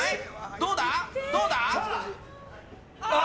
どうだ？